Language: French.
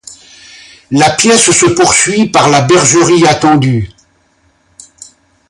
La pièce se poursuit par la bergerie attendue.